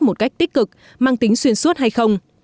một cách tích cực mang tính xuyên suốt hay không